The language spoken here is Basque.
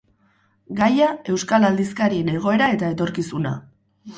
Gaia, euskal aldizkarien egoera eta etorkizuna.